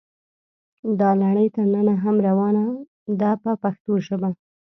دا لړۍ تر ننه هم روانه ده په پښتو ژبه.